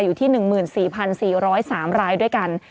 อยู่ที่๑๔๔๐๓รายด้วยกัน